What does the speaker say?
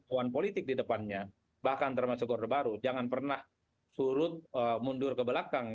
one politik di depannya bahkan termasuk orde baru jangan pernah surut mundur ke belakang